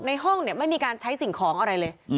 ในห้องไม่มีการใช้สิ่งของอะไรเลย